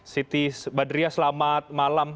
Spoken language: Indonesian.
siti badria selamat malam